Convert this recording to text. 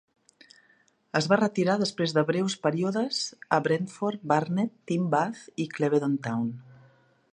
Es va retirar després de breus períodes a Brentford, Barnet, Team Bath i Clevedon Town.